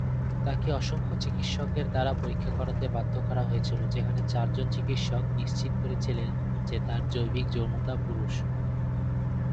তাঁকে অসংখ্য চিকিৎসকের দ্বারা পরীক্ষা করাতে বাধ্য করা হয়েছিল যেখানে চারজন চিকিৎসক "নিশ্চিত" করেছিলেন যে তাঁর "জৈবিক যৌনতা" পুরুষ।